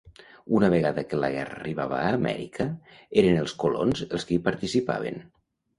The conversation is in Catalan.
Una vegada que la guerra arribava a Amèrica eren els colons els que hi participaven.